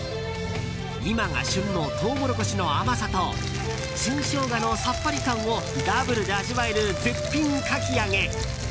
今が旬のトウモロコシの甘さと新ショウガのさっぱり感をダブルで味わえる絶品かき揚げ。